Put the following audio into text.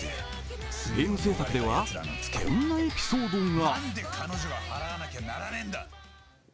ゲーム制作ではこんなエピソードが。